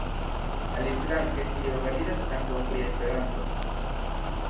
Aliflanke, tio validas ankaŭ pri Esperanto.